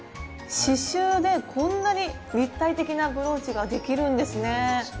刺しゅうでこんなに立体的なブローチができるんですね。